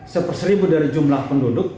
seperseribu dari jumlah penduduk